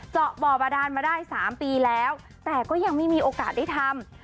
เจาะบ่อบาดานมาได้๓ปีแล้วแต่ก็ยังไม่มีโอกาสได้ทำ